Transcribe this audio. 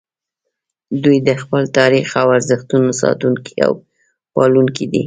دوی د خپل تاریخ او ارزښتونو ساتونکي او پالونکي دي